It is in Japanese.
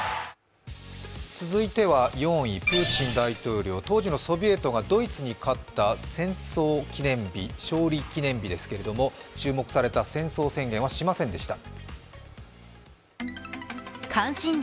続いては４位、プーチン大統領当時のソビエトがドイツに勝った戦勝記念日勝利記念日ですけれども、注目された戦争宣言はしませんでした。